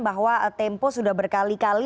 bahwa tempo sudah berkali kali